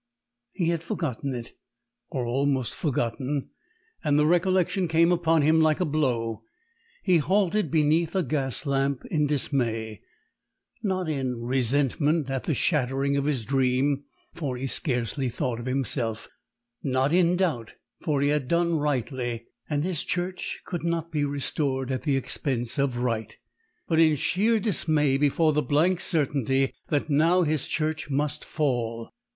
He had forgotten it, or almost forgotten; and the recollection came upon him like a blow. He halted beneath a gas lamp in dismay; not in resentment at the shattering of his dream, for he scarcely thought of himself; not in doubt, for he had done rightly, and his church could not be restored at the expense of right; but in sheer dismay before the blank certainty that now his church must fall.